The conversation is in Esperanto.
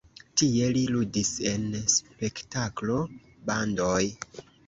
Tie li ludis en spektaklo-bandoj.